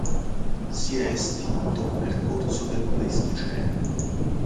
Si è estinto nel corso del Pleistocene.